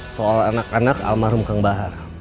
soal anak anak almarhum kang bahar